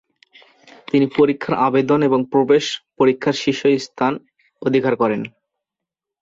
তিনি পরীক্ষার আবেদন এবং প্রবেশ পরীক্ষার শীর্ষস্থান অধিকার করেন।